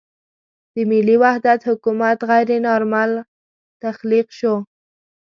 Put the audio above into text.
د ملي وحدت حکومت غیر نارمل تخلیق شو.